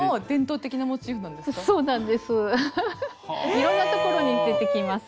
いろんなところに出てきます。